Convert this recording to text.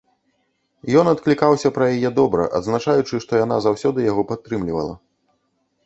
Ён адклікаўся пра яе добра, адзначаючы, што яна заўсёды яго падтрымлівала.